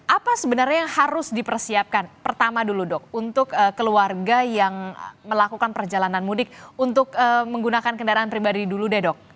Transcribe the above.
apa sebenarnya yang harus dipersiapkan pertama dulu dok untuk keluarga yang melakukan perjalanan mudik untuk menggunakan kendaraan pribadi dulu deh dok